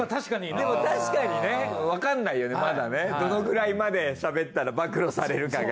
でも確かにねわかんないよねまだねどのくらいまでしゃべったら暴露されるかが。